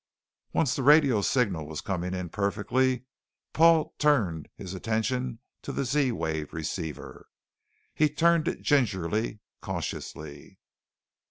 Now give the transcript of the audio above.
Once the radio signal was coming in perfectly, Paul turned his attention to the Z wave receiver. He tuned it gingerly, cautiously.